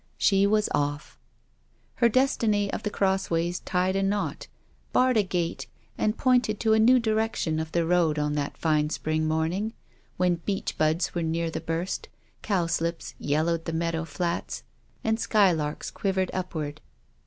She was off. Her destiny of the Crossways tied a knot, barred a gate, and pointed to a new direction of the road on that fine spring morning, when beech buds were near the burst, cowslips yellowed the meadow flats, and skylarks quivered upward.